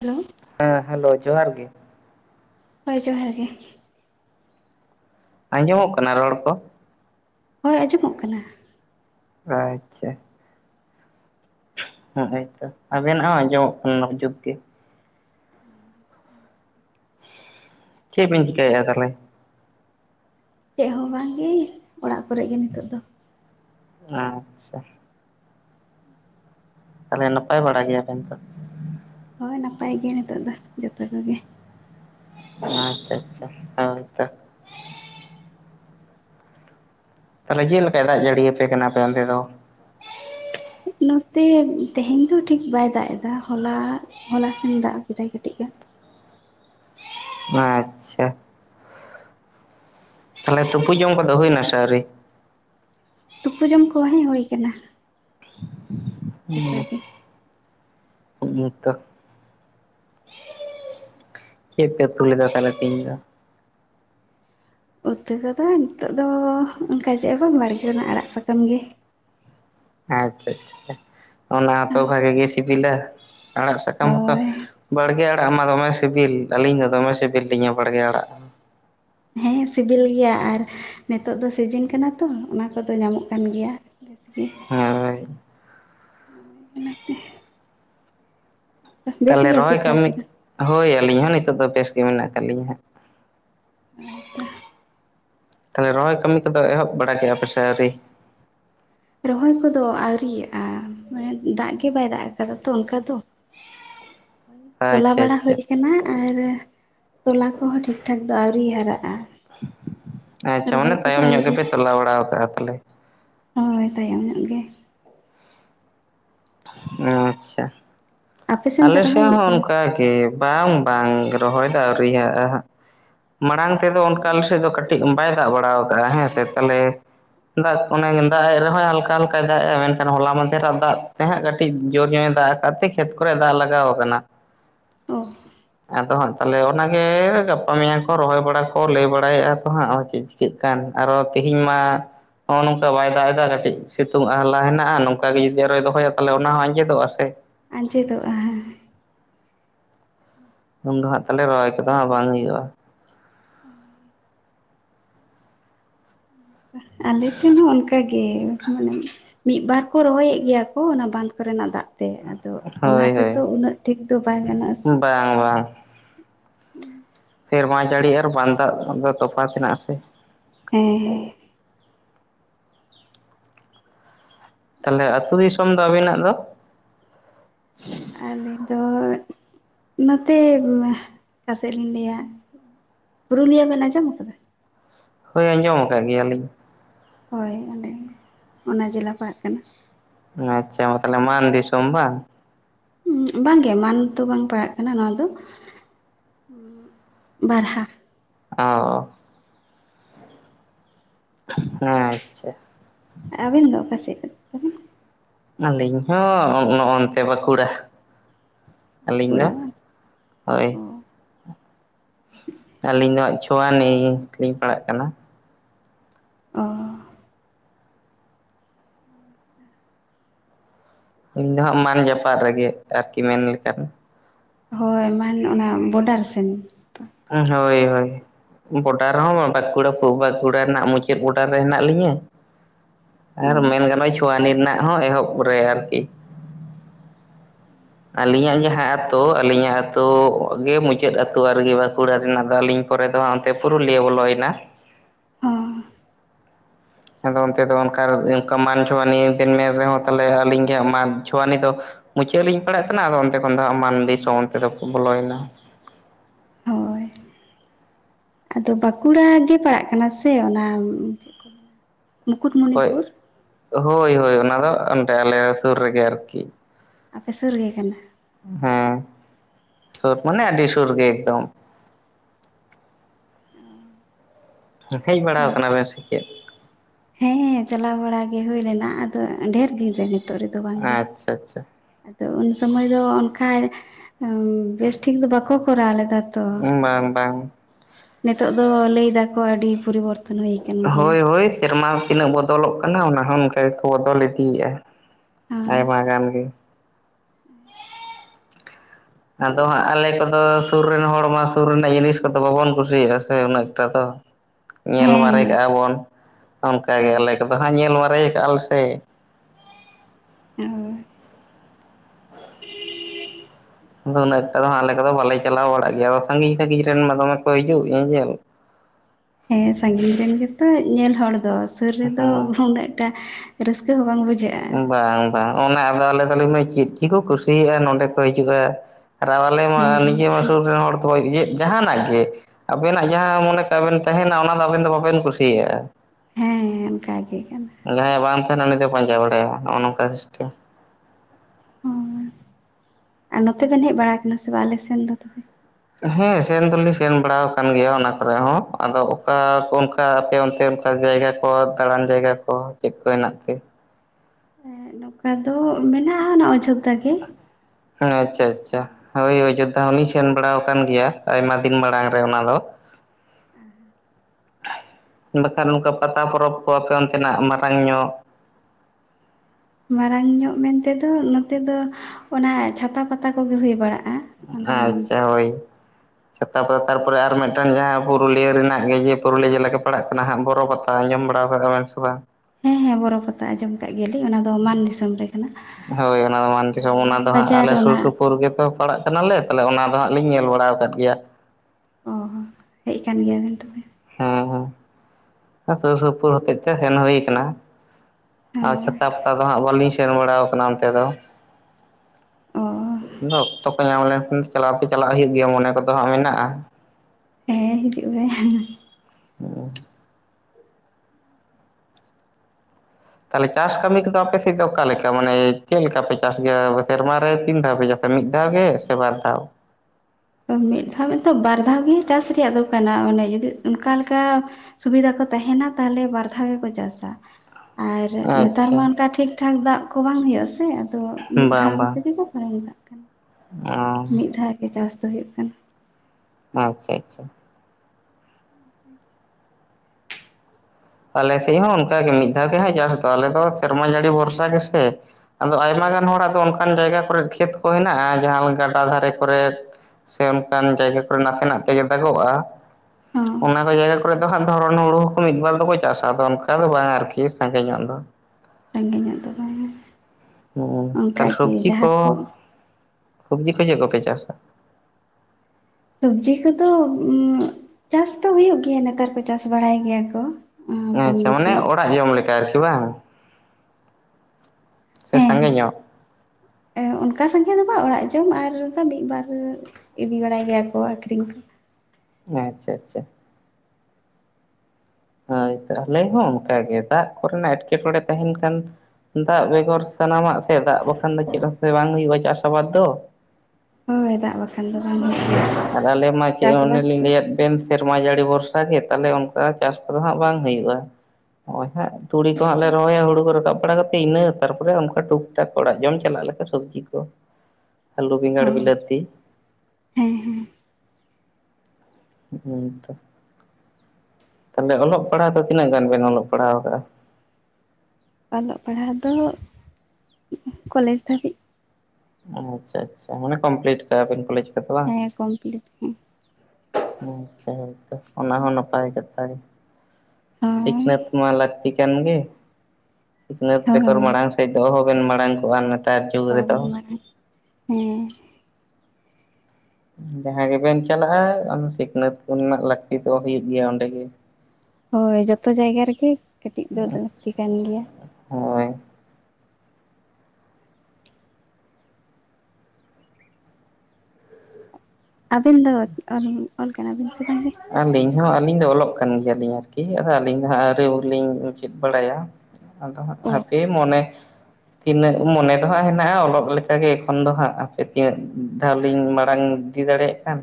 Hello ᱦᱮᱸ hello ᱡᱚᱦᱟᱨ ᱜᱮ ᱦᱳᱭ ᱡᱚᱦᱟᱨ ᱜᱮ ᱟᱸᱡᱚᱢᱚᱜ ᱠᱟᱱᱟ ᱨᱚᱲ ᱠᱚ ᱦᱳᱭ ᱟᱸᱡᱚᱢᱚᱜ ᱠᱟᱱᱟ ᱟᱪᱪᱷᱟ ᱦᱚᱜ ᱦᱚᱭᱛᱚ ᱟᱵᱮᱱᱟᱜ ᱦᱚᱸ ᱟᱸᱡᱚᱢᱚᱜ ᱠᱟᱱᱟ ᱡᱩᱜᱽ ᱜᱮ ᱪᱮᱫ ᱵᱮᱤᱱ ᱪᱤᱠᱟᱹ ᱭᱮᱜ-ᱟ ᱛᱟᱦᱚᱞᱮ? ᱪᱮᱫ ᱦᱚᱸ ᱵᱟᱝᱜᱮ ᱚᱲᱟᱜ ᱠᱚᱨᱮ ᱜᱮ ᱱᱤᱛᱚᱜ ᱫᱚ ᱟᱸᱪᱷᱟ ᱛᱟᱦᱚᱞᱮ ᱱᱟᱯᱟᱭ ᱵᱟᱲᱟ ᱜᱮᱭᱟᱵᱮᱱ ᱛᱚ ᱦᱳᱭ ᱱᱟᱯᱟᱭ ᱜᱮ ᱱᱤᱛᱚᱜ ᱫᱚ ᱡᱚᱛᱚ ᱠᱚᱜᱮ ᱦᱮᱸ ᱛᱚ ᱟᱪᱷᱟ ᱟᱪᱷᱟ ᱦᱳᱭ ᱛᱚ ᱛᱟᱦᱚᱞᱮ ᱪᱮᱫ ᱞᱮᱠᱟ ᱫᱟᱜ ᱡᱟᱹᱲᱤᱭᱟ ᱟᱯᱮ ᱠᱟᱱᱟᱯᱮ ᱚᱱᱰᱮ ᱫᱚ? ᱱᱚᱛᱮ ᱛᱮᱦᱮᱧ ᱫᱚ ᱴᱷᱤᱠ ᱵᱟᱭ ᱫᱟᱜ ᱮᱫᱟ ᱦᱚᱞᱟ ᱦᱚᱞᱟ ᱥᱮᱱ ᱫᱟᱜ ᱠᱮᱫᱟᱭ ᱠᱟᱹᱴᱤᱡ ᱜᱟᱱ ᱟᱻᱻ ᱪᱷᱟ ᱛᱟᱦᱚᱞᱮ ᱛᱩᱯᱩ ᱡᱚᱢ ᱠᱚᱫᱚ ᱦᱩᱭᱱᱟ ᱥᱮ ᱟ. ᱣᱨᱤ? ᱛᱩᱯᱩ ᱡᱚᱢ ᱠᱚ ᱦᱮᱸ ᱦᱩᱭ ᱟᱠᱟᱱᱟ ᱡᱚᱛᱚ ᱜᱮ ᱦᱮᱛᱚ ᱪᱮᱫ ᱯᱮ ᱩᱛᱩ ᱞᱮᱫᱟ ᱛᱟᱦᱞᱮ ᱛᱤᱦᱤᱱ ᱫᱚ ᱩᱛᱩ ᱠᱚᱫᱚ ᱱᱤᱛᱚᱜ ᱫᱚ ᱚᱱᱠᱟ ᱪᱮᱫ ᱦᱚᱸ ᱵᱟᱝ ᱵᱟᱲᱜᱮᱱᱟ ᱟᱲᱟᱜ ᱥᱟᱠᱟᱢ ᱜᱮ ᱟᱪᱷᱟ ᱟᱪᱷᱟ ᱚᱱᱟ ᱦᱚᱸᱛᱚ ᱵᱷᱟᱜᱤ ᱜᱮ ᱥᱤᱵᱤᱞᱟ ᱟᱲᱟᱜ ᱥᱟᱠᱟᱢ ᱦᱚᱸᱛᱚ ᱦᱳᱭ ᱵᱟᱲᱜᱮ ᱟᱲᱟᱜ ᱢᱟ ᱫᱚᱢᱮ ᱥᱤᱵᱤᱞ ᱟᱹᱞᱤᱧ ᱫᱚᱢᱮ ᱥᱤᱵᱤᱞ ᱞᱤᱧᱟᱹ ᱵᱟᱲᱜᱮ ᱟᱲᱟᱜ ᱦᱮᱸ ᱥᱤᱵᱤᱞ ᱜᱮᱭᱟ ᱟᱨ ᱱᱤᱛᱚᱜ ᱫᱚ ᱥᱤᱡᱤᱱ ᱠᱟᱱᱟ ᱛᱚ ᱚᱱᱟ ᱠᱚᱫᱚ ᱧᱟᱢᱚᱜ ᱠᱟᱱ ᱜᱮᱭᱟ ᱵᱮᱥ ᱜᱮ ᱦᱮᱸ ᱚᱱᱮ ᱚᱱᱟᱛᱮ ᱵᱮᱥ ᱛᱟᱦᱚᱞᱮ ᱜᱮᱭᱟᱯᱮ ᱨᱚᱦᱚᱭ ᱛᱚ ᱠᱟᱹᱢᱤ ᱟᱯᱮ ᱫᱚ ᱦᱳᱭ ᱟᱹᱞᱤᱧ ᱦᱚᱸ ᱱᱤᱛᱚᱜ ᱫᱚ ᱵᱮᱥ ᱜᱮ ᱢᱮᱱᱟᱜ ᱠᱟᱫ ᱞᱤᱧᱟᱦᱟᱸᱜ [unintelligible] ᱛᱟᱦᱚᱞᱮ ᱨᱚᱦᱚᱭ ᱠᱟᱹᱢᱤ ᱠᱚᱫᱚ ᱮᱦᱚᱵ ᱵᱟᱲᱟ ᱠᱮᱫᱼᱟ ᱯᱮ ᱥᱮ ᱟᱹᱣᱨᱤ ᱨᱚᱦᱚᱭ ᱠᱚᱫᱚ ᱟᱣᱨᱤᱭᱟᱜᱼᱟ ᱢᱟᱱᱮ ᱫᱟᱜ ᱜᱮ ᱵᱟᱭ ᱫᱟᱜ ᱟᱠᱟᱫᱟ ᱛᱚ ᱚᱱᱠᱟ ᱫᱚ ᱛᱚᱞᱟ ᱟᱪᱪᱷᱟ ᱵᱟᱲᱟ ᱟᱪᱪᱷᱟ ᱦᱩᱭ ᱠᱟᱱᱟ ᱟᱨ ᱛᱚᱞᱟ ᱠᱚᱦᱚᱸ ᱴᱷᱤᱠ ᱴᱷᱟᱠ ᱫᱚ ᱟᱹᱣᱨᱤ ᱦᱟᱨᱟᱜᱼᱟ ᱟᱪᱪᱷᱟ ᱢᱟᱱᱮ ᱨᱚᱦᱚᱭ ᱠᱚᱫᱚ ᱛᱟᱭᱚᱢ ᱧᱚᱜ ᱟᱹᱣᱨᱤ ᱜᱮᱯᱮ ᱛᱚᱞᱟ ᱵᱟᱲᱟ ᱠᱟᱜᱼᱟ ᱛᱟᱦᱞᱮ ᱦᱳᱭ ᱛᱟᱭᱚᱢ ᱧᱚᱜ ᱜᱮ ᱟᱪᱪᱷᱟ ᱟᱯᱮ ᱥᱮᱱ ᱫᱚ ᱟᱞᱮ ᱨᱚᱦᱚᱭ ᱥᱮᱫ ᱦᱩᱭᱩᱜ ᱦᱚᱸ ᱠᱟᱱᱟ ᱚᱱᱠᱟᱜᱮ ᱵᱟᱝ ᱵᱟᱝ ᱨᱚᱦᱚᱭ ᱫᱚ ᱟᱣᱹᱨᱤᱭᱟᱜ ᱟ ᱦᱟᱜ ᱢᱟᱲᱟᱝ ᱛᱮᱫᱚ ᱚᱱᱠᱟ ᱟᱞᱮ ᱥᱮᱫ ᱫᱚ ᱠᱟᱹᱴᱤᱡ ᱵᱟᱭ ᱫᱟᱜ ᱵᱟᱲᱟ ᱠᱟᱜᱼᱟ ᱦᱮᱸ ᱥᱮ ᱛᱟᱦᱚᱞᱮ ᱫᱟᱜ ᱚᱱᱮ ᱫᱟᱜ ᱮᱫ ᱨᱮᱦᱚᱸ ᱦᱟᱞᱠᱟ ᱦᱟᱞᱠᱟᱭ ᱫᱟᱜ ᱮᱜᱼᱟ ᱢᱮᱱᱠᱷᱟᱱ ᱦᱚᱞᱟ ᱢᱟᱫᱷᱮᱨᱟᱜ ᱫᱟᱜ ᱛᱮ ᱦᱟᱸᱜ ᱠᱟᱹᱴᱤᱡ ᱡᱳᱨ ᱧᱚᱜ ᱫᱟᱜ ᱟᱠᱟᱫ ᱛᱮ ᱠᱷᱮᱛ ᱠᱚᱨᱮ ᱫᱟᱜ ᱞᱟᱜᱟᱣ ᱠᱟᱱᱟ ᱚ ᱟᱫᱚ ᱦᱟᱸᱜ ᱛᱟᱦᱚᱞᱮ ᱚᱱᱟᱜᱮ ᱜᱟᱯᱟ ᱢᱮᱭᱟᱝ ᱠᱚ ᱨᱚᱦᱚᱭ ᱵᱟᱲᱟ ᱠᱚ ᱞᱟᱹᱭ ᱵᱟᱲᱟᱭᱮᱫᱼᱟ ᱛᱚ ᱦᱟᱸᱜ ᱪᱮᱫ ᱪᱮᱠᱟᱜ ᱴᱤᱠᱟᱹᱜ ᱠᱟᱱ ᱟᱨᱚ ᱛᱮᱦᱮᱧ ᱢᱟ ᱦᱚᱸᱜᱼ ᱱᱚᱝᱠᱟ ᱵᱟᱭ ᱫᱟᱜ ᱮᱫᱟ ᱠᱟᱹᱴᱤᱡ ᱥᱤᱛᱩᱝ ᱟᱦᱞᱟ ᱦᱮᱱᱟᱜᱼᱟ ᱱᱚᱝᱠᱟ ᱜᱮ ᱡᱩᱫᱤ ᱟᱨᱚᱭ ᱫᱚᱦᱚᱭᱟ ᱛᱟᱦᱚᱞᱮ ᱚᱱᱟ ᱦᱚᱸ ᱟᱸᱡᱮᱫᱚᱜᱼᱟ ᱥᱮ ᱟᱸᱡᱮᱫᱚᱜᱼᱟ ᱦᱮ ᱩᱱ ᱫᱚ ᱦᱟᱸᱜ ᱛᱟᱞᱚᱞᱮ ᱨᱚᱦᱚᱭ ᱠᱚᱫᱚ ᱦᱟᱸᱜ ᱵᱟᱝ ᱦᱩᱭᱩᱜᱼᱟ ᱟᱞᱮ ᱥᱮᱱ ᱦᱚᱸ ᱚᱱᱠᱟᱜᱮ ᱢᱟᱱᱮ ᱢᱤᱫᱵᱟᱨ ᱠᱚ ᱨᱚᱦᱚᱭᱮᱫ ᱜᱮᱭᱟ ᱠᱚ ᱚᱱᱟ ᱵᱟᱸᱫᱷ ᱠᱚᱨᱮᱱᱟᱜ ᱫᱟᱜ ᱛᱮ ᱟᱫᱚ ᱚᱱᱟ ᱦᱳᱭ ᱦᱳᱭ ᱛᱮᱛᱚ ᱩᱱᱟᱹᱜ ᱴᱷᱤᱠ ᱫᱚ ᱵᱟᱭ ᱜᱟᱱᱚᱜᱼᱟ ᱥᱮ ᱵᱟᱝ ᱵᱟᱝ [unintelligible] ᱥᱮᱨᱢᱟ ᱡᱟᱹᱲᱤ ᱟᱨ ᱵᱟᱱ ᱫᱟᱜ ᱫᱚ ᱛᱚᱯᱷᱟᱛ ᱢᱮᱱᱟᱜ ᱟᱥᱮ ᱦᱮᱸ ᱦᱮᱸ ᱛᱟᱦᱚᱞᱮ ᱟᱹᱛᱩ ᱫᱤᱥᱚᱢ ᱫᱚ ᱟᱵᱤᱱᱟᱜ ᱫᱚ ᱟᱹᱞᱮ ᱫᱚ ᱱᱚᱛᱮ ᱠᱟᱥᱮᱫ ᱞᱤᱧ ᱞᱟᱹᱭᱟ ᱯᱩᱨᱩᱞᱤᱭᱟᱹ ᱵᱮᱱ ᱟᱸᱡᱚᱢ ᱟᱠᱟᱫᱟ ᱦᱳᱭ ᱟᱸᱡᱚᱢ ᱟᱠᱟᱫ ᱜᱮᱭᱟᱞᱤᱧ ᱦᱳᱭ ᱟᱞᱮ ᱦᱚ ᱚᱱᱟ ᱡᱮᱞᱟ ᱯᱟᱲᱟᱜ ᱠᱟᱱᱟ ᱟᱪᱪᱷᱟ ᱢᱟ ᱛᱟᱦᱚᱞᱮ ᱢᱟᱱ ᱫᱤᱥᱚᱢ ᱵᱟᱝ ᱵᱟᱝᱜᱮ ᱢᱟᱱ ᱫᱚ ᱵᱟᱝ ᱯᱟᱲᱟᱜ ᱠᱟᱱᱟ ᱱᱚᱣᱟ ᱫᱚ ᱵᱟᱨᱦᱟ ᱚ ᱦᱮᱸ ᱟᱪᱪᱷᱟ ᱟᱹᱵᱤᱱ ᱫᱚ ᱚᱠᱟ ᱥᱮᱫ ᱛᱟᱵᱤᱱ? ᱟᱹᱞᱤᱧ ᱦᱚᱸ ᱚᱸᱜ ᱱᱚᱜᱼᱚᱱᱛᱮ ᱵᱟᱸᱠᱩᱲᱟ ᱟᱹᱞᱤᱧ ᱫᱚ ᱵᱟᱸᱠᱩᱲᱟ ᱵᱟᱝ ᱦᱳᱭ ᱚ ᱟᱹᱞᱤᱧ ᱫᱚ ᱪᱷᱳᱣᱟ ᱱᱤ ᱞᱤᱧ ᱯᱟᱲᱟᱜ ᱠᱟᱱᱟ ᱚᱸᱻ ᱤᱧ ᱫᱚ ᱦᱟᱸᱜ ᱢᱟᱱ ᱡᱟᱯᱟᱜ ᱨᱮᱜᱮ ᱟᱨᱠᱤ ᱢᱮᱱ ᱞᱮᱠᱷᱟᱱ ᱦᱳᱭ ᱢᱟᱱ ᱚᱱᱟ ᱵᱚᱰᱟᱨ ᱥᱮᱱ ᱛᱚ᱾ ᱦᱳᱭ ᱦᱳᱭ ᱵᱚᱰᱟᱨ ᱦᱚᱸ ᱵᱟᱸᱠᱩᱲᱟ ᱵᱟᱸᱠᱩᱲᱟ ᱨᱮᱱᱟᱜ ᱢᱩᱪᱟᱹᱫ ᱵᱚᱰᱟᱨ ᱨᱮ ᱦᱮᱱᱟᱜ ᱞᱤᱧᱟᱹ ᱚ ᱟᱨ ᱢᱮᱱ ᱜᱟᱱᱚᱜᱼᱟ ᱪᱷᱳᱣᱟᱱᱤ ᱨᱮᱱᱟᱜ ᱦᱚᱸ ᱮᱦᱚᱵ ᱨᱮ ᱟᱨᱠᱤ ᱟᱹᱞᱤᱧᱟᱜ ᱡᱟᱦᱟᱸ ᱟᱛᱳ ᱟᱹᱞᱤᱧᱟᱜ ᱟᱹᱛᱩ ᱜᱮ ᱢᱩᱪᱟᱹᱫ ᱟᱹᱛᱩ ᱟᱨᱜᱮ ᱵᱟᱸᱠᱩᱲᱟ ᱨᱮᱱᱟᱜ ᱫᱚ ᱟᱹᱞᱤᱧ ᱯᱚᱨᱮ ᱫᱚ ᱦᱟᱜ ᱚᱱᱛᱮ ᱯᱩᱨᱩᱞᱤᱭᱟᱹ ᱵᱚᱞᱚᱭᱮᱱᱟ ᱦᱚᱸ ᱟᱫᱚ ᱚᱱᱛᱮ ᱫᱚ ᱚᱱᱠᱟ ᱚᱱᱠᱟ ᱢᱟᱱ ᱪᱷᱳᱣᱟᱱᱤ ᱵᱮᱱ ᱢᱮᱱ ᱨᱮᱦᱚᱸ ᱛᱟᱦᱚᱞᱮ ᱟᱹᱞᱤᱧ ᱜᱮ ᱢᱟᱱ ᱪᱷᱳᱣᱟᱱᱤ ᱫᱚ ᱢᱩᱪᱟᱹᱫ ᱞᱤᱧ ᱯᱟᱲᱟᱜ ᱠᱟᱱᱟ ᱟᱫᱚ ᱚᱱᱛᱮ ᱠᱷᱚᱱ ᱫᱚ ᱦᱟᱸᱜ ᱢᱟᱱ ᱫᱤᱥᱚᱢ ᱚᱱᱛᱮ ᱫᱚ ᱵᱚᱞᱚᱭᱮᱱᱟ ᱦᱳᱭ ᱟᱫᱚ ᱵᱟᱸᱠᱩᱲᱟ ᱜᱮ ᱯᱟᱲᱟᱜ ᱠᱟᱱᱟ ᱥᱮ ᱚᱱᱟ ᱠᱷᱚᱡ ᱢᱩᱠᱩᱴᱢᱩᱱᱤᱯᱩᱨ ᱦᱳᱭ ᱦᱳᱭ ᱚᱱᱟ ᱫᱚ ᱚᱱᱰᱮ ᱟᱞᱮ ᱥᱩᱨ ᱨᱮᱜᱮ ᱟᱨᱠᱤ ᱟᱯᱮ ᱥᱩᱨ ᱨᱮ ᱜᱮ ᱠᱟᱱᱟ ᱦᱮᱸ ᱥᱩᱨ ᱢᱟᱱᱮ ᱟᱹᱰᱤ ᱥᱩᱨ ᱜᱮ ᱮᱜᱽᱫᱚᱢ ᱚᱸ ᱦᱮᱡ ᱵᱟᱲᱟᱣ ᱠᱟᱱᱟ ᱵᱮᱱ ᱥᱮ ᱪᱮᱫ? ᱦᱮᱸ ᱪᱟᱞᱟᱣ ᱵᱟᱲᱟ ᱜᱮ ᱦᱩᱭ ᱞᱮᱱᱟ ᱟᱫᱚ ᱰᱷᱮᱨ ᱫᱤᱱ ᱨᱮ ᱱᱤᱛᱚᱜ ᱨᱮᱫᱚ ᱵᱟᱝ ᱜᱮ ᱟᱪᱪᱷᱟ ᱟᱪᱪᱷᱟ ᱟᱫᱚ ᱩᱱ ᱥᱚᱢᱚᱭ ᱫᱚ ᱚᱱᱠᱟ ᱵᱮᱥ ᱴᱷᱤᱠ ᱫᱚ ᱵᱟᱠᱚ ᱠᱚᱨᱟᱣ ᱞᱮᱫᱟ ᱛᱚ ᱵᱟᱝ ᱵᱟᱝ ᱱᱤᱛᱚᱜ ᱫᱚ ᱞᱟᱹᱭ ᱫᱟᱠᱚ ᱟᱹᱰᱤ ᱯᱚᱨᱤ ᱵᱚᱨᱛᱚᱱ ᱦᱩᱭ ᱟᱠᱟᱱ ᱜᱮᱭᱟ ᱦᱳᱭ ᱦᱳᱭ ᱥᱮᱨᱢᱟ ᱛᱤᱱᱟᱹᱜ ᱵᱚᱫᱚᱞᱚᱜ ᱠᱟᱱᱟ ᱚᱱᱟ ᱦᱚᱸ ᱚᱱᱠᱟ ᱜᱮᱠᱚ ᱵᱚᱫᱚᱞ ᱤᱫᱤᱭᱮᱜᱼᱟ ᱟᱭᱢᱟ ᱜᱟᱱ ᱜᱮ ᱟᱫᱚ ᱦᱟᱸᱜ ᱟᱞᱮ ᱠᱚᱫᱚ ᱥᱩᱨ ᱨᱮᱱ ᱦᱚᱲ ᱢᱟ ᱥᱩᱨ ᱨᱮᱱᱟᱜ ᱡᱤᱱᱤᱥ ᱠᱚᱫᱚ ᱵᱟᱵᱚᱱ ᱠᱩᱥᱤᱭᱟᱜᱼᱟ ᱥᱮ ᱩᱱᱟᱹᱜ ᱴᱟ ᱫᱚ ᱧᱮᱞ ᱢᱟᱨᱮ ᱦᱮᱸ ᱠᱟᱜᱼᱟ ᱵᱚᱱ ᱚᱱᱠᱟ ᱜᱮ ᱟᱞᱮ ᱠᱚᱫᱚ ᱦᱟᱸᱜ ᱧᱮᱞ ᱢᱟᱨᱮ ᱠᱟᱜᱼᱟ ᱞᱮᱥᱮ ᱚᱸ ᱟᱫᱚ ᱩᱱᱟᱹᱜ ᱴᱟ ᱫᱚ ᱦᱟᱸᱜ ᱟᱞᱮ ᱠᱚᱫᱚ ᱵᱟᱞᱮ ᱪᱟᱞᱟᱣ ᱵᱟᱲᱟᱜ ᱜᱮᱭᱟ ᱟᱫᱚ ᱥᱟᱺᱜᱤᱧ ᱥᱟᱺᱜᱤᱧ ᱨᱮᱱ ᱢᱟ ᱫᱚᱢᱮ ᱠᱚ ᱦᱤᱡᱩᱜ ᱤᱧ ᱧᱮᱞ ᱦᱮᱸ ᱥᱟᱺᱜᱤᱧ ᱨᱮᱱ ᱜᱮᱛᱚ ᱧᱮᱞ ᱦᱚᱲ ᱫᱚ ᱥᱩᱨ ᱨᱮᱫᱚ ᱦᱮᱸ ᱩᱱᱟᱹᱜ ᱴᱟᱜ ᱨᱟᱹᱥᱠᱟᱹ ᱦᱚᱸ ᱵᱟᱝ ᱵᱩᱡᱷᱟᱹᱜᱼᱟ ᱵᱟᱝ ᱵᱟᱝ ᱚᱱᱟ ᱟᱫᱚ ᱟᱞᱮ ᱫᱚᱞᱮ ᱢᱮᱱ ᱪᱮᱫ ᱪᱚᱠᱚ ᱠᱩᱥᱤᱭᱟᱜᱼᱟ ᱱᱚᱸᱰᱮ ᱠᱚ ᱦᱤᱡᱩᱜᱼᱟ ᱟᱨ ᱟᱞᱮ ᱢᱟ ᱦᱮᱸ ᱱᱤᱡᱮ ᱢᱟ ᱥᱩᱨ ᱨᱮᱱ ᱦᱚᱲ ᱦᱳᱭ ᱡᱮᱜ ᱡᱟᱸᱦᱟᱱᱟᱜ ᱜᱮ ᱟᱹᱵᱤᱱᱟᱜ ᱡᱟᱸᱦᱟ ᱢᱚᱱᱮ ᱠᱟᱜ ᱵᱮᱱ ᱛᱟᱸᱦᱮᱱᱟ ᱚᱱᱟ ᱫᱚ ᱟᱵᱮᱱ ᱫᱚ ᱵᱟᱵᱮᱱ ᱠᱩᱥᱤᱭᱟᱜᱼᱟ ᱦᱮᱸ ᱚᱱᱠᱟ ᱜᱮ ᱠᱟᱱᱟ ᱡᱟᱸᱦᱟᱭᱟᱜ ᱵᱟᱝ ᱛᱟᱸᱦᱮᱱᱟ ᱩᱱᱤ ᱫᱚᱭ ᱯᱟᱸᱡᱟ ᱵᱟᱲᱟᱭᱟ ᱱᱚᱜᱼᱱᱚᱝᱠᱟ ᱥᱤᱥᱴᱮᱢ ᱦᱚᱸ ᱟᱨ ᱱᱚᱛᱮ ᱵᱮᱱ ᱦᱮᱡ ᱵᱟᱲᱟ ᱠᱟᱱᱟ ᱥᱮ ᱵᱟᱝ ᱟᱞᱮ ᱥᱮᱱ ᱫᱚ ᱛᱚᱵᱮ? ᱦᱮᱸ ᱥᱮᱱ ᱫᱚᱞᱤᱧ ᱥᱮᱱ ᱵᱟᱲᱟ ᱠᱟᱱ ᱜᱮᱭᱟ ᱚᱱᱟ ᱠᱚᱨᱮ ᱦᱚᱸ ᱟᱫᱚ ᱚᱠᱟ ᱠᱚ ᱚᱱᱠᱟ ᱟᱯᱮ ᱚᱱᱛᱮ ᱚᱱᱠᱟ ᱡᱟᱭᱜᱟ ᱠᱚ ᱫᱟᱲᱟᱱ ᱡᱟᱭᱜᱟ ᱠᱚ ᱪᱮᱫ ᱠᱚ ᱦᱮᱱᱟᱜ ᱛᱮ ᱱᱚᱝᱠᱟ ᱫᱚ ᱢᱮᱱᱟᱜᱼᱟ ᱱᱚᱜᱼᱚ ᱡᱷᱚᱛᱚ ᱜᱮ ᱦᱮᱸ ᱟᱪᱪᱷᱟ ᱟᱪᱪᱷᱟ ᱟᱨ ᱦᱳᱭ ᱚᱡᱳᱫᱽᱫᱷᱟ ᱦᱚᱸᱞᱤᱧ ᱥᱮᱱ ᱵᱟᱲᱟᱣ ᱠᱟᱱ ᱜᱮᱭᱟ ᱟᱭᱢᱟ ᱫᱤᱱ ᱢᱟᱲᱟᱝ ᱨᱮ ᱚᱱᱟ ᱫᱚ ᱚᱸ ᱵᱟᱠᱷᱟᱱ ᱚᱱᱠᱟ ᱯᱟᱛᱟ ᱯᱚᱨᱚᱵᱽ ᱠᱚ ᱟᱯᱮ ᱚᱱᱛᱮᱱᱟᱜ ᱢᱟᱨᱟᱝ ᱧᱚᱜ ᱢᱟᱨᱟᱝ ᱧᱚᱜ ᱢᱮᱱ ᱛᱮ ᱫᱚ ᱱᱚᱛᱮ ᱫᱚ ᱚᱱᱟ ᱪᱷᱟᱛᱟ ᱯᱟᱛᱟ ᱠᱚᱜᱮ ᱦᱩᱭ ᱵᱟᱲᱟᱜᱼᱟ ᱚᱱᱟ ᱟᱪᱪᱷᱟ ᱦᱳᱭ ᱛᱟᱨᱯᱚᱨᱮ ᱛᱟᱨᱯᱚᱨᱮ ᱟᱨ ᱢᱤᱫᱴᱟᱝ ᱡᱟᱦᱟᱸ ᱯᱩᱨᱩᱞᱤᱭᱟᱹ ᱨᱮᱱᱟᱜ ᱜᱮ ᱡᱮ ᱯᱩᱨᱩᱞᱤᱭᱟᱹ ᱡᱮᱞᱟᱜᱮ ᱯᱟᱲᱟᱜ ᱠᱟᱱᱟ ᱦᱟᱸᱜ ᱵᱚᱨᱚ ᱯᱟᱛᱟ ᱟᱸᱡᱚᱢ ᱵᱟᱲᱟ ᱠᱟᱜ ᱟᱵᱤᱱ ᱥᱮ ᱵᱟᱝ ᱦᱮᱸ ᱦᱮᱸ ᱵᱚᱨᱚ ᱯᱟᱛᱟ ᱟᱸᱡᱚᱢ ᱠᱟᱜ ᱜᱮᱭᱟ ᱞᱤᱧ ᱚᱱᱟ ᱫᱚ ᱢᱟᱱ ᱫᱤᱥᱚᱢ ᱨᱮ ᱠᱟᱱᱟ ᱦᱳᱭ ᱚᱱᱟ ᱢᱟᱱ ᱫᱤᱥᱚᱢ ᱚᱱᱟ ᱢᱟᱱ ᱫᱚ ᱦᱟᱸᱜ ᱵᱟᱡᱟᱨ ᱟᱞᱮ ᱥᱩᱨ ᱚᱱᱟ ᱥᱩᱯᱩᱨ ᱜᱮᱛᱚ ᱯᱟᱲᱟᱜ ᱠᱟᱱᱟ ᱞᱮ ᱛᱟᱦᱚᱞᱮ ᱚᱱᱟ ᱫᱚ ᱦᱟᱸᱜ ᱞᱤᱧ ᱧᱮᱞ ᱵᱟᱲᱟᱣ ᱠᱟᱫ ᱜᱮᱭᱟ ᱚ ᱦᱮᱡ ᱠᱟᱱ ᱜᱮᱭᱟ ᱵᱮᱱ ᱛᱚᱵᱮ ᱦᱮᱸ ᱦᱮᱸ ᱥᱩᱨ ᱥᱩᱯᱩᱨ ᱦᱚᱛᱮᱡ ᱛᱮ ᱥᱮᱱ ᱦᱩᱭᱩ ᱠᱟᱱᱟ ᱦᱳᱭ ᱪᱷᱟᱛᱟ ᱯᱟᱛᱟ ᱫᱚ ᱦᱟᱸᱜ ᱵᱟᱹᱞᱤᱧ ᱥᱮᱱ ᱵᱟᱲᱟᱣ ᱠᱟᱱᱟ ᱚᱱᱛᱮ ᱫᱚ ᱚ ᱚᱠᱛᱚ ᱠᱚ ᱧᱟᱢ ᱞᱮᱱ ᱠᱷᱟᱱ ᱪᱟᱞᱟᱣ ᱫᱚ ᱪᱟᱞᱟᱜ ᱦᱩᱭᱩᱜ ᱜᱮᱭᱟ ᱢᱚᱱᱮ ᱠᱚᱫᱚ ᱦᱟᱸᱜ ᱢᱮᱱᱟᱜᱼᱟ ᱦᱮᱸ ᱦᱤᱡᱩᱜ ᱢᱮ ᱦᱩᱸ ᱛᱟᱦᱚᱞᱮ ᱪᱟᱥ ᱠᱟᱹᱢᱤ ᱠᱚᱫᱚ ᱟᱯᱮ ᱥᱮᱫ ᱫᱚ ᱚᱠᱟ ᱞᱮᱠᱟ ᱢᱟᱱᱮ ᱪᱮᱫ ᱞᱮᱠᱟ ᱯᱮ ᱪᱟᱥ ᱜᱮᱭᱟ ᱥᱮᱨᱢᱟ ᱨᱮ ᱛᱤᱱ ᱫᱷᱟᱣ ᱯᱮ ᱪᱟᱥ ᱢᱤᱫ ᱫᱷᱟᱣ ᱜᱮ ᱥᱮ ᱵᱟᱨ ᱫᱷᱟᱣ ᱢᱤᱫ ᱫᱷᱟᱣ ᱱᱤᱛᱚᱜ ᱵᱟᱨ ᱫᱷᱟᱣ ᱜᱮ ᱪᱟᱥ ᱨᱮᱭᱟᱜ ᱫᱚ ᱠᱟᱱᱟ ᱚᱱᱮ ᱡᱩᱫᱤ ᱚᱱᱠᱟ ᱞᱮᱠᱟ ᱥᱩᱵᱤᱫᱷᱟ ᱠᱚ ᱛᱟᱸᱦᱮᱱᱟ ᱛᱟᱦᱚᱞᱮ ᱵᱟᱨ ᱫᱷᱟᱣ ᱜᱮᱠᱚ ᱪᱟᱥᱟ ᱟᱨ ᱱᱮᱛᱟᱨ ᱢᱟ ᱟᱪᱪᱷᱟ ᱚᱱᱠᱟ ᱴᱷᱤᱠ ᱴᱷᱟᱠ ᱫᱟᱜ ᱠᱚ ᱵᱟᱝ ᱦᱩᱭᱩᱜᱼᱟ ᱥᱮ ᱟᱫᱚ ᱢᱤᱫ ᱵᱟᱝ ᱫᱷᱟᱣ ᱵᱟᱝ ᱛᱮᱜᱮ ᱠᱚ ᱯᱟᱨᱚᱢ ᱠᱟᱜ ᱠᱟᱱᱟ ᱚ ᱢᱤᱫ ᱫᱷᱟᱣ ᱜᱮ ᱪᱟᱥ ᱫᱚ ᱦᱩᱭᱩᱜ ᱠᱟᱱᱟ ᱟᱪᱪᱷᱟ ᱟᱪᱪᱷᱟ ᱟᱞᱮ ᱥᱮᱫ ᱦᱚᱸ ᱚᱱᱠᱟᱜᱮ ᱢᱤᱫ ᱫᱷᱟᱣ ᱜᱮ ᱦᱟᱸᱜ ᱪᱟᱥᱼᱟ ᱟᱞᱮ ᱫᱚ ᱥᱮᱨᱢᱟ ᱡᱟᱹᱲᱤ ᱵᱷᱚᱨᱥᱟ ᱜᱮᱥᱮ ᱟᱫᱚ ᱟᱭᱢᱟ ᱜᱟᱱ ᱦᱚᱲᱟᱜ ᱫᱚ ᱚᱱᱠᱟᱱ ᱡᱟᱭᱜᱟ ᱠᱚᱨᱮᱜ ᱠᱷᱮᱛ ᱠᱚ ᱦᱮᱱᱟᱜᱼᱟ ᱡᱟᱦᱟᱸ ᱜᱟᱰᱟ ᱫᱷᱟᱨᱮ ᱠᱚᱨᱮᱜ ᱥᱮ ᱚᱱᱠᱟᱱ ᱡᱟᱭᱜᱟ ᱠᱚᱨᱮ ᱱᱟᱥᱮᱱᱟᱜ ᱛᱮᱜᱮ ᱫᱟᱜᱚᱜᱼᱟ ᱦᱚᱸ ᱚᱱᱟ ᱠᱚ ᱡᱟᱭᱜᱟ ᱠᱚᱨᱮ ᱫᱚ ᱦᱟᱸᱜ ᱫᱷᱚᱨᱚᱱ ᱦᱩᱲᱩ ᱦᱚᱸ ᱢᱤᱫᱵᱟᱨ ᱫᱚᱠᱚ ᱪᱟᱥ ᱟᱫᱚ ᱚᱱᱠᱟ ᱫᱚ ᱵᱟᱝ ᱟᱨᱠᱤ ᱥᱟᱸᱜᱮ ᱧᱚᱜ ᱫᱚ ᱥᱟᱺᱜᱤᱧᱚᱜ ᱫᱚᱦᱚᱭ ᱢᱮ ᱦᱩᱸ ᱛᱟᱦᱚᱞᱮ ᱥᱚᱵᱡᱤ ᱠᱚ ᱥᱚᱵᱡᱤ ᱠᱚ ᱪᱮᱫ ᱠᱚᱯᱮ ᱪᱟᱥᱟ ᱥᱚᱵᱡᱤ ᱠᱚᱫᱚ ᱪᱟᱥ ᱫᱚ ᱦᱩᱭᱩᱜ ᱜᱮᱭᱟ ᱱᱮᱛᱟᱨ ᱠᱚ ᱪᱟᱥ ᱵᱟᱲᱟᱭ ᱜᱮᱭᱟ ᱠᱚ ᱠᱚᱢ ᱟᱪᱪᱷᱟ ᱢᱟᱱᱮ ᱵᱮᱥᱤ ᱚᱲᱟᱜ ᱡᱚᱢ ᱞᱮᱠᱟ ᱟᱨᱠᱤ ᱵᱟᱝ ᱥᱮ ᱦᱮᱸ ᱥᱟᱜᱮᱧᱚᱜ ᱚᱱᱠᱟ ᱥᱟᱸᱜᱮ ᱫᱚ ᱵᱟᱝ ᱚᱲᱟᱜ ᱡᱚᱢ ᱟᱨ ᱚᱱᱠᱟ ᱢᱤᱫ ᱵᱟᱨ ᱤᱫᱤ ᱵᱟᱲᱟᱭ ᱜᱮᱭᱟ ᱠᱚ ᱟᱹᱠᱷᱨᱤᱧ ᱠᱚ ᱟᱪᱪᱷᱟ ᱟᱪᱪᱷᱟ ᱦᱳᱭ ᱛᱚ ᱟᱞᱮ ᱦᱚᱸ ᱚᱱᱠᱟᱜᱮ ᱫᱟᱜ ᱠᱚᱨᱮᱱᱟᱜ ᱮᱸᱴᱠᱮᱴᱚᱬᱮ ᱛᱟᱦᱮᱱ ᱠᱷᱟᱱ ᱫᱟᱜ ᱵᱮᱜᱚᱨ ᱥᱟᱱᱟᱢᱟᱜ ᱥᱮ ᱫᱟᱜ ᱵᱟᱠᱷᱟᱱ ᱫᱚ ᱪᱮᱫ ᱵᱟᱝ ᱦᱩᱭᱩᱜᱼᱟ ᱪᱟᱥ ᱟᱵᱟᱫ ᱫᱚ ᱠᱚ ᱦᱳᱭ ᱫᱟᱜ ᱵᱟᱠᱷᱟᱱ ᱫᱚ ᱵᱟᱝ ᱦᱩᱭᱩᱜ ᱜᱮᱭᱟ ᱟᱨ ᱟᱞᱮ ᱢᱟ ᱪᱮᱫ ᱪᱟᱥᱵᱟᱥ ᱚᱱᱮᱞᱤᱧ ᱫᱚ ᱞᱟᱹᱭᱟ ᱦᱟᱯᱮᱱ ᱥᱮᱨᱢᱟ ᱡᱟᱹᱲᱤ ᱵᱷᱚᱨᱥᱟ ᱜᱮ ᱛᱟᱦᱚᱞᱮ ᱚᱱᱠᱟ ᱪᱟᱥ ᱠᱚᱫᱚ ᱦᱟᱸᱜ ᱵᱟᱝ ᱦᱩᱭᱩᱜᱼᱟ ᱦᱳᱭ ᱦᱟᱸᱜ ᱛᱩᱲᱤ ᱠᱚ ᱦᱟᱸᱜ ᱞᱮ ᱨᱚᱦᱚᱭᱟ ᱦᱩᱲᱩ ᱠᱚ ᱨᱟᱠᱟᱵ ᱵᱟᱲᱟ ᱠᱟᱛᱮᱫ ᱤᱱᱟᱹ ᱛᱟᱨᱯᱚᱨᱮ ᱚᱱᱠᱟ ᱴᱩᱠᱴᱟᱠ ᱠᱚ ᱚᱲᱟᱜ ᱡᱚᱢ ᱪᱟᱞᱟᱜ ᱞᱮᱠᱟ ᱥᱚᱵᱽᱡᱤ ᱠᱚ ᱟᱹᱞᱩ ᱵᱮᱸᱜᱟᱲ ᱦᱚᱸ ᱵᱤᱞᱟᱹᱛᱤ ᱦᱮᱸ ᱦᱮᱸ ᱦᱮᱸ ᱛᱚ ᱛᱟᱦᱚᱞᱮ ᱚᱞᱚᱜ ᱯᱟᱲᱦᱟᱜ ᱫᱚ ᱛᱤᱱᱟᱹᱜ ᱜᱟᱱ ᱵᱮᱱ ᱚᱞᱚᱜ ᱯᱟᱲᱦᱟᱣ ᱠᱟᱜᱼᱟ ᱚᱞᱚᱜ ᱯᱟᱲᱦᱟᱣ ᱫᱚ ᱠᱚᱞᱮᱡᱽ ᱫᱷᱟᱹᱵᱤᱡ ᱟᱪᱪᱷᱟ ᱟᱪᱪᱷᱟ ᱢᱟᱱᱮ ᱠᱚᱢᱯᱞᱤᱴ ᱚᱠᱟ ᱵᱤᱱ ᱠᱚᱞᱮᱡ ᱠᱟᱫᱟ ᱦᱮᱸ ᱠᱚᱢᱯᱞᱤᱴ ᱜᱮ ᱟᱪᱪᱷᱟ ᱦᱳᱭᱛᱚ ᱚᱱᱟ ᱦᱚᱸ ᱱᱟᱯᱟᱭ ᱠᱟᱛᱷᱟ ᱦᱳᱭ ᱥᱤᱠᱷᱱᱟᱹᱛ ᱢᱟ ᱞᱟᱹᱠᱛᱤ ᱠᱟᱱ ᱜᱮ ᱥᱤᱠᱷᱱᱟᱹᱛ ᱵᱮᱜᱚᱨ ᱦᱳᱭ ᱢᱟᱲᱟᱝ ᱥᱮ ᱠᱷᱟᱡ ᱫᱚ ᱚᱦᱚᱵᱮᱱ ᱢᱟᱲᱟᱝ ᱠᱚᱜᱼᱟ ᱡᱩᱜᱽ ᱨᱮᱫᱚ ᱵᱟᱵᱮᱱ ᱢᱟᱲᱟᱝ ᱦᱮᱸ ᱡᱟᱦᱟᱸ ᱜᱮᱵᱮᱱ ᱪᱟᱞᱟᱜᱼᱟ ᱚᱱᱟ ᱥᱤᱠᱷᱱᱟᱹᱛ ᱠᱚ ᱨᱮᱱᱟᱜ ᱞᱟᱹᱠᱛᱤ ᱫᱚ ᱦᱩᱭᱩᱜ ᱜᱮᱭᱟ ᱚᱸᱰᱮᱜᱤ ᱦᱳᱭ ᱡᱚᱛᱚ ᱡᱟᱭᱜᱟ ᱨᱮᱜᱮ ᱠᱟᱹᱴᱤᱡ ᱫᱚ ᱞᱟᱹᱠᱛᱤ ᱠᱟᱱ ᱜᱮᱭᱟ ᱦᱳᱭ ᱟᱵᱤᱱ ᱫᱚ ᱚᱞ ᱚᱞ ᱠᱟᱱᱟᱵᱤᱱ ᱥᱮ ᱵᱟᱝ ᱜᱮ ᱟᱹᱞᱤᱧ ᱦᱚᱸ ᱟᱹᱞᱤᱧ ᱫᱚ ᱚᱞᱚᱜ ᱠᱟᱱ ᱜᱮᱭᱟᱞᱤᱧ ᱟᱨᱠᱤ ᱟᱫᱚ ᱟᱹᱞᱤᱧ ᱫᱚ ᱦᱟᱸᱜ ᱟᱹᱣᱨᱤ ᱞᱤᱧ ᱡᱩᱫᱟ. ᱫ ᱵᱟᱲᱟᱭᱟ ᱟᱫᱚ ᱦᱟᱜ ᱚ ᱦᱟᱯᱮ ᱢᱚᱱᱮ ᱛᱤᱱᱟᱹᱜ ᱢᱚᱱᱮ ᱫᱚ ᱦᱟᱸᱜ ᱦᱮᱱᱟᱜᱼᱟ ᱚᱞᱚᱜ ᱞᱮᱠᱟᱜ ᱜᱮ ᱮᱠᱷᱚᱱ ᱫᱚ ᱦᱟᱸᱜ ᱦᱟᱯᱮ ᱛᱤᱱᱟᱹᱜ ᱫᱷᱟᱣ ᱞᱤᱧ ᱢᱟᱲᱟᱝ ᱤᱫᱤ ᱫᱟᱲᱮᱭᱟᱜ ᱠᱟᱱ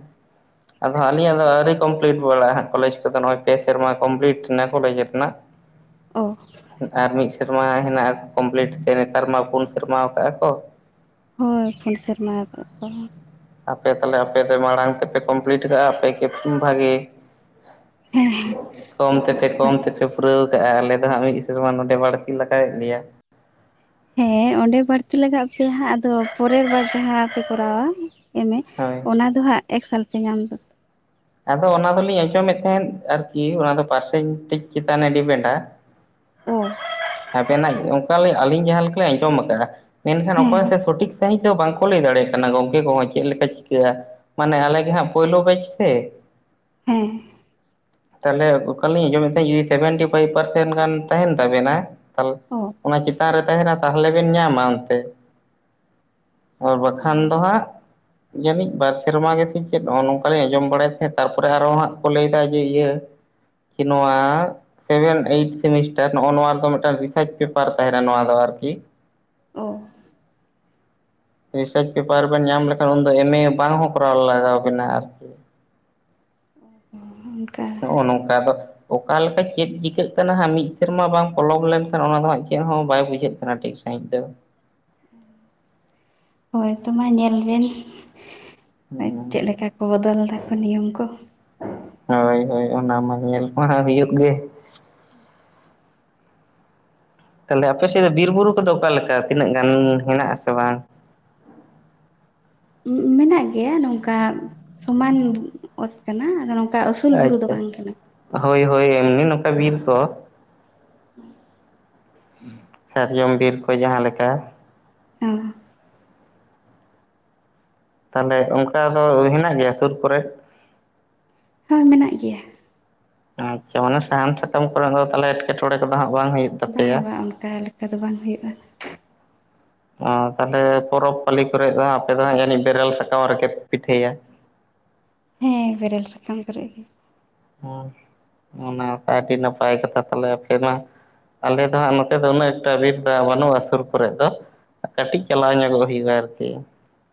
ᱟᱫᱚ ᱟᱹᱞᱤᱧᱟᱜ ᱫᱚ ᱟᱹᱣᱨᱤ ᱢᱚᱢᱯᱞᱤᱴ ᱵᱟᱲᱟᱜ-ᱟ ᱦᱟᱜ ᱠᱚᱞᱮᱡᱽ ᱠᱚᱫᱚ ᱱᱚᱜ ᱚᱭ ᱯᱮ ᱥᱮᱨᱢᱟ ᱠᱚᱢᱯᱞᱤᱴ ᱱᱟ ᱠᱚᱞᱮᱡᱽ ᱨᱮᱱᱟᱜ ᱚ ᱟᱨ ᱢᱤᱫ ᱥᱮᱨᱢᱟ ᱦᱮᱱᱟᱜᱼᱟ ᱠᱚᱢᱯᱞᱤᱴ ᱛᱮ ᱱᱮᱛᱟᱨ ᱢᱟ ᱯᱩᱱ ᱥᱮᱨᱢᱟ ᱟᱠᱟᱜᱼᱟ ᱠᱚ ᱦᱳᱭ ᱯᱳᱱ ᱥᱮᱨᱢᱟ ᱟᱠᱟᱫ ᱠᱚ ᱟᱯᱮ ᱛᱟᱦᱚᱞᱮ ᱟᱯᱮ ᱫᱚ ᱢᱟᱲᱟᱝ ᱛᱮᱯᱮ ᱠᱚᱢᱯᱞᱤᱴ ᱠᱟᱜᱼᱟ ᱟᱯᱮᱜ ᱜᱮ ᱵᱷᱟᱜᱮ ᱦᱮᱸ ᱠᱚᱢ ᱛᱮᱯᱮ ᱠᱚᱢ ᱛᱮᱯᱮ ᱯᱩᱨᱟᱹᱣ ᱠᱟᱜᱼᱟ ᱟᱞᱮ ᱫᱚ ᱦᱟᱸᱜ ᱢᱤᱫ ᱥᱮᱨᱢᱟ ᱱᱚᱸᱰᱮ ᱵᱟᱹᱲᱛᱤ ᱞᱟᱜᱟᱣᱮᱫ ᱞᱮᱭᱟ ᱦᱮᱸ ᱚᱸᱰᱮ ᱵᱟᱹᱲᱛᱤ ᱞᱟᱜᱟᱜ ᱯᱮᱭᱟ ᱦᱟᱸᱜ ᱟᱫᱚ ᱯᱚᱨᱮᱨ ᱵᱟᱨ ᱡᱟᱦᱟᱸ ᱯᱮ ᱠᱚᱨᱟᱣᱟ ᱮᱢ ᱮ ᱦᱳᱭ ᱚᱱᱟ ᱫᱚ ᱦᱟᱸᱜ ᱮᱠ ᱥᱟᱞ ᱯᱮ ᱧᱟᱢ ᱫᱚ ᱟᱫᱚ ᱚᱱᱟ ᱫᱚᱞᱤᱧ ᱟᱸᱡᱚᱢᱮᱫ ᱛᱟᱦᱮᱸᱫ ᱟᱨᱠᱤ ᱚᱱᱟ ᱫᱚ ᱯᱟᱨᱥᱮᱱ ᱴᱮᱪ ᱪᱮᱛᱟᱱᱮ ᱰᱤᱯᱮᱱᱰᱟ ᱚ ᱟᱵᱮᱱᱟᱜ ᱚᱱᱠᱟ ᱟᱹᱞᱤᱧ ᱡᱟᱦᱟᱸ ᱞᱮᱠᱟ ᱞᱤᱧ ᱟᱸᱡᱚᱢ ᱠᱟᱜᱼᱟ ᱢᱮᱱᱠᱷᱟᱱ ᱦᱮᱸ ᱚᱠᱚᱭ ᱥᱮ ᱥᱚᱴᱷᱤᱠ ᱥᱟᱺᱦᱤᱡ ᱫᱚ ᱵᱟᱝᱠᱚ ᱞᱟᱹᱭ ᱫᱟᱲᱮᱭᱟᱜ ᱠᱟᱱᱟ ᱜᱚᱝᱠᱮ ᱠᱚᱦᱚᱸ ᱪᱮᱫ ᱞᱮᱠᱟ ᱪᱤᱠᱟᱹᱜᱼᱟ ᱢᱟᱱᱮ ᱟᱞᱮ ᱜᱮ ᱦᱟᱸᱜ ᱯᱳᱭᱞᱳ ᱵᱮᱪ ᱥᱮ ᱦᱮᱸ ᱛᱟᱦᱚᱞᱮ ᱚᱠᱟᱞᱤᱧ ᱟᱸᱡᱚᱢᱮᱫ ᱛᱟᱸᱦᱤᱫ ᱥᱮᱵᱷᱮᱱᱴᱤ ᱯᱷᱟᱭᱤᱵ ᱯᱟᱨᱥᱮᱱ ᱜᱟᱱ ᱛᱟᱸᱦᱮᱱ ᱛᱟᱵᱮᱱᱟ ᱛᱟᱦᱞᱮ ᱚ ᱚᱱᱟ ᱪᱮᱛᱟᱱ ᱨᱮ ᱛᱟᱸᱦᱮᱱᱟ ᱛᱟᱦᱚᱞᱮ ᱵᱤᱱ ᱧᱟᱢᱟ ᱚᱱᱛᱮ ᱟᱨ ᱵᱟᱠᱷᱟᱱ ᱫᱚ ᱦᱟᱸᱜ ᱡᱟᱹᱱᱤᱡ ᱵᱟᱨ ᱥᱮᱨᱢᱟ ᱜᱮᱥᱮ ᱪᱮᱫ ᱱᱚᱜᱼᱚ ᱱᱚᱝᱠᱟ ᱞᱤᱧ ᱟᱸᱡᱚᱢ ᱵᱟᱲᱟᱭ ᱛᱟᱦᱮᱸᱫ ᱛᱟᱨᱯᱚᱨᱮ ᱟᱨᱦᱚᱸ ᱦᱟᱸᱜ ᱠᱚ ᱞᱟᱹᱭᱫᱟ ᱡᱮ ᱤᱭᱟᱹ ᱠᱤ ᱱᱚᱣᱟ ᱥᱮᱵᱷᱮᱱ ᱮᱭᱤᱴ ᱥᱮᱢᱤᱥᱴᱟᱨ ᱱᱚᱜᱼᱚ ᱱᱚᱣᱟ ᱨᱮᱫᱚ ᱢᱤᱫᱴᱟᱱ ᱨᱤᱥᱟᱨᱪ ᱯᱮᱯᱟᱨ ᱛᱟᱸᱦᱮᱱᱟ ᱱᱚᱣᱟ ᱫᱚ ᱟᱨᱠᱤ ᱚ ᱨᱤᱥᱟᱨᱪ ᱯᱮᱯᱟᱨ ᱵᱮᱱ ᱧᱟᱢ ᱞᱮᱠᱷᱟᱱ ᱩᱱᱫᱚ ᱮᱢ ᱮ ᱵᱟᱝ ᱦᱚᱸ ᱠᱚᱨᱟᱣ ᱞᱟᱜᱟᱣ ᱵᱤᱱᱟ ᱟᱨᱠᱤ ᱚᱱᱠᱟ ᱱᱚᱜᱼᱚ ᱱᱚᱝᱠᱟ ᱟᱫᱚ ᱚᱠᱟ ᱞᱮᱠᱟ ᱪᱮᱫ ᱪᱤᱠᱟᱹᱜ ᱠᱟᱱᱟ ᱦᱟᱸᱜ ᱢᱤᱫ ᱥᱮᱨᱢᱟ ᱵᱟᱝ ᱯᱚᱞᱚᱢ ᱞᱮᱱᱠᱷᱟᱱ ᱚᱱᱟ ᱫᱚ ᱦᱟᱸᱜ ᱪᱮᱫ ᱦᱚᱸ ᱵᱟᱭ ᱵᱩᱡᱷᱟᱹᱜ ᱠᱟᱱᱟ ᱴᱷᱤᱠ ᱥᱟᱺᱦᱤᱡ ᱫᱚ ᱦᱳᱭ ᱛᱚ ᱢᱟ ᱧᱮᱞ ᱵᱮᱱ ᱦᱩᱸ ᱪᱮᱫ ᱞᱮᱠᱟ ᱵᱚᱫᱚᱞ ᱫᱟᱠᱚ ᱱᱤᱭᱚᱢ ᱠᱚ ᱦᱳᱭ ᱦᱳᱭ ᱚᱱᱟ ᱢᱟ ᱧᱮᱞ ᱢᱟ ᱦᱟᱸᱜ ᱦᱩᱭᱩᱜ ᱜᱮ ᱛᱟᱦᱚᱞᱮ ᱟᱯᱮ ᱥᱮᱫ ᱫᱚ ᱵᱤᱨ ᱵᱩᱨᱩ ᱠᱚᱫᱚ ᱚᱠᱟ ᱞᱮᱠᱟ ᱛᱤᱱᱟᱹᱜ ᱜᱟᱱ ᱦᱮᱱᱟᱜ-ᱟ ᱥᱮ ᱵᱟᱝ ᱢᱮᱱᱟᱜ ᱜᱮᱭᱟ ᱱᱚᱝᱠᱟ ᱥᱚᱢᱟᱱ ᱚᱛ ᱠᱟᱱᱟ ᱟᱫᱚ ᱱᱚᱝ ᱠᱟ ᱩᱥᱩᱞ ᱵᱩᱨᱩ ᱫᱚ ᱟᱪᱪᱷᱟ ᱵᱟᱝ ᱠᱟᱱᱟ ᱦᱳᱭ ᱦᱳᱭ ᱮᱢᱱᱤ ᱱᱚᱝᱠᱟ ᱵᱤᱨ ᱠᱚ [inaudible] ᱥᱟᱨᱡᱚᱢ ᱵᱤᱨ ᱠᱚ ᱡᱟᱦᱟᱸ ᱞᱮᱠᱟ ᱚᱸ ᱛᱟᱦᱚᱞᱮ ᱚᱱᱠᱟ ᱫᱚ ᱦᱮᱱᱟᱜ ᱜᱮᱭᱟ ᱥᱩᱨ ᱠᱚᱨᱮ ᱦᱚᱸ ᱢᱮᱱᱟᱜ ᱜᱮᱭᱟ ᱟᱪᱪᱷᱟ ᱢᱟᱱᱮ ᱥᱟᱦᱟᱱ ᱥᱟᱠᱟᱢ ᱠᱚᱨᱮᱱᱟᱜ ᱫᱚ ᱛᱟᱞᱦᱮ ᱮᱴᱠᱮᱴᱚᱬᱮ ᱠᱚᱫᱚ ᱦᱟᱸᱜ ᱵᱟᱝ ᱦᱩᱭᱩᱜ ᱵᱟᱝ ᱛᱟᱯᱮᱭᱟ ᱵᱟᱝ ᱚᱱᱠᱟ ᱞᱮᱠᱟ ᱫᱚ ᱵᱟᱝ ᱦᱩᱭᱩᱜᱼᱟ ᱟ ᱛᱟᱦᱚᱞᱮ ᱯᱚᱨᱚᱵᱽ ᱯᱟᱹᱞᱤ ᱠᱚᱨᱮᱫ ᱫᱚ ᱦᱟᱸᱜ ᱟᱯᱮ ᱫᱚ ᱦᱟᱸᱜ ᱡᱟᱹᱱᱤᱡ ᱵᱮᱨᱮᱞ ᱥᱟᱠᱟᱢ ᱨᱮᱜᱮ ᱯᱮ ᱯᱤᱴᱷᱟᱹᱭᱟ ᱦᱮᱸ ᱵᱮᱨᱮᱞ ᱥᱟᱠᱟᱢ ᱠᱚᱨᱮᱜ ᱜᱮ ᱦᱚ ᱚᱱᱟ ᱛᱚ ᱟᱹᱰᱤ ᱱᱟᱯᱟᱭ ᱠᱟᱛᱷᱟ ᱛᱟᱦᱚᱞᱮ ᱟᱯᱮ ᱢᱟ ᱟᱞᱮ ᱫᱚ ᱦᱟᱸᱜ ᱱᱚᱛᱮ ᱫᱚ ᱩᱱᱟᱹᱜ ᱮᱠᱴᱟ ᱨᱤᱴ ᱫᱚ ᱦᱟᱸᱜ ᱵᱟᱹᱱᱩᱜᱼᱟ ᱥᱩᱨ ᱠᱚᱨᱮᱫ ᱫᱚ ᱠᱟᱹᱴᱤᱡ ᱪᱟᱞᱟᱣ ᱧᱚᱜᱚᱜ ᱦᱩᱭᱩᱜᱼᱟ ᱟᱨᱠᱤ